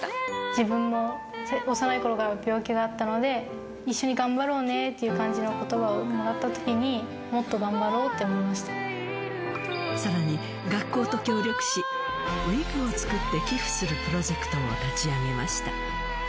自分も幼いころから病気があったので、一緒に頑張ろうねっていう感じのことばをもらったときに、もっとさらに、学校と協力し、ウィッグを作って寄付するプロジェクトを立ち上げました。